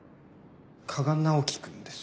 加賀直樹くんです。